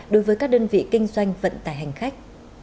đối với các đơn vị kinh doanh vận tải hành khách